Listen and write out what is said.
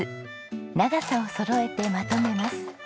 長さをそろえてまとめます。